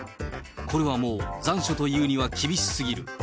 これはもう残暑というには厳しすぎる。